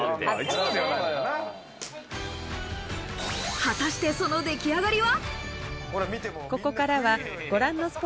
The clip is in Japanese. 果たして、そのでき上がりは？